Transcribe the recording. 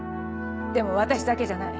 でも私だけじゃない。